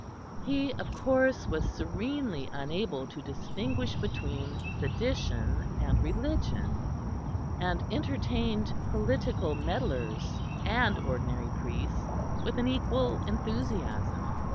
He, of course, was serenely unable to distinguish between sedition and religion; and entertained political meddlers and ordinary priests with an equal enthusiasm.